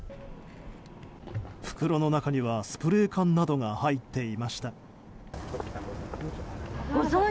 袋の中には、スプレー缶などが入っていました。